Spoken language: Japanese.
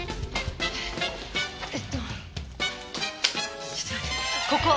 えっとちょっと待ってここ。